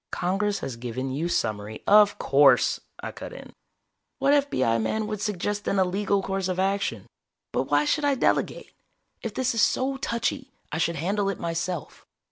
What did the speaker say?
"Congress has given you summary " "Of course," I cut in. "What F.B.I. man would suggest an illegal course of action? But why should I delegate? If this is so touchy, I should handle it myself.